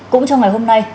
cũng trong ngày hôm nay